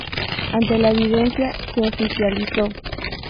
Ante la evidencia se oficializó.